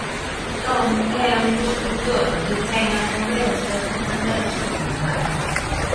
Tom é un construtor que cae na pobreza ó perder o seu traballo.